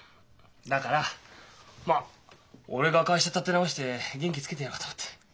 だからまあ俺が会社立て直して元気つけてやろうと思って。